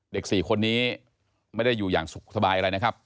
๔คนนี้ไม่ได้อยู่อย่างสุขสบายอะไรนะครับ